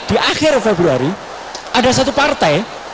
di akhir februari ada satu partai